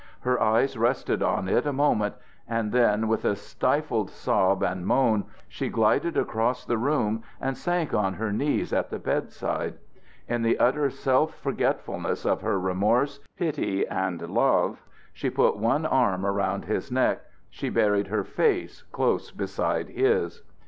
Her eyes rested on it a moment, and then with a stifled sob and moan she glided across the room and sank on her knees at the bedside. In the utter self forgetfulness of her remorse, pity, and love, she put one arm around his neck, she buried her face close beside his.